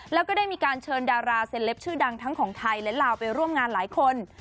แล้วก็ได้มีการเชิญดาราเซลปชื่อดังทั้งของไทยและลาวไปร่วมงานหลายคน